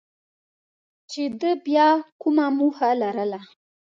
چې ده بیا کومه موخه لرله.